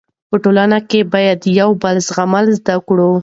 په ټولنه کې باید د یو بل زغمل زده کړو.